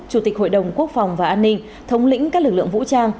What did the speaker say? chủ tịch hội đồng quốc phòng và an ninh thống lĩnh các lực lượng vũ trang